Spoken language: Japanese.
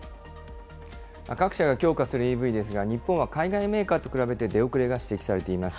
各社が強化するＥＶですが、日本は海外メーカーと比べて出遅れが指摘されています。